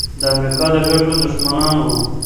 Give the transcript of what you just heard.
د امریکا د ګټو دښمنان وو.